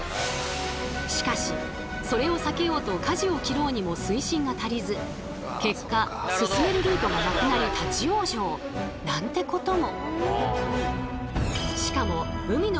しかしそれを避けようとかじを切ろうにも水深が足りず結果進めるルートがなくなり立往生なんてことも。